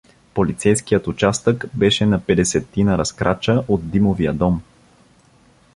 Полицейският участък беше на петдесетина разкрача от Димовия дом.